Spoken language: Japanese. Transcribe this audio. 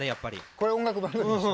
これ音楽番組でしょ。